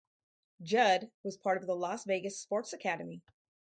Judd was part of the Las Vegas Sports Academy.